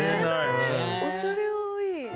恐れ多い。